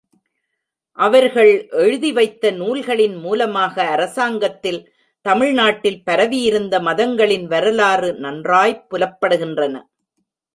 அவர்கள் எழுதி வைத்த நூல்களின் மூலமாக அரசாங்கத்தில் தமிழ்நாட்டில் பரவியிருந்த மதங்களின் வரலாறு நன்றாய்ப் புலப்படுகின்றன.